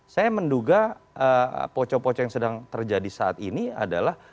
saya menduga poco poco yang sedang terjadi saat ini adalah